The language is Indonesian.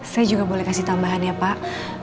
saya juga boleh kasih tambahan ya pak